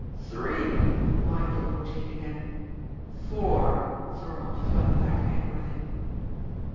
"Three!" whined old Jake again. "Four!" Thorold flung back angrily.